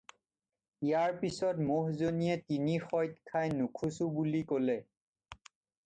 ইয়াৰ পিছত ম'হজনীয়ে তিনি সৈত খাই নোখোঁচো বুলি ক'লে।